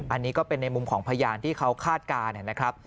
อันนี้ก็เป็นในมุมของพยานที่เขาคาดการณ์นะครับ